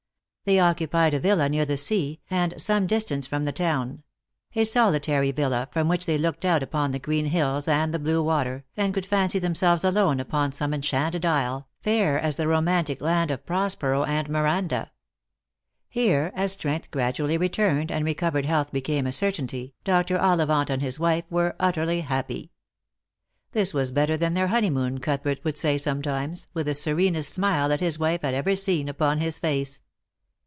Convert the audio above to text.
374 Lost for Love. They occupied a villa near the sea, and some distance from the town ; a solitary villa, from which they looked out upon the green hills and the blue water, and could fancy themselves alone upon some enchanted isle, fair as the romantic land of Prospero and Miranda. Here, as strength gradually returned, and re covered health became a certainty, Dr. Ollivant and his wife were utterly happy. This was better than their honeymoon, Cuthbert would say sometimes, with the serenest smile that his wife had ever seen upon his face.